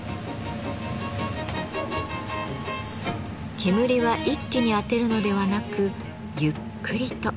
煙は一気に当てるのではなくゆっくりと。